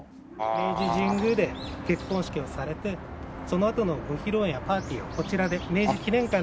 明治神宮で結婚式をされてそのあとのご披露宴やパーティーをこちらで明治記念館で行う際のご移動車でございます。